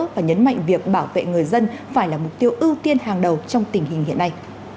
và nhấn mạnh việc bảo vệ người dân phải là mục tiêu ưu tiên hàng đầu trong tình hình hiện nay